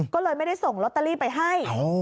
ก็เลยไม่ได้ส่งโรตารีไปให้